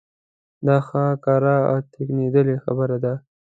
دا ښه کره او ټنګېدلې خبره ده.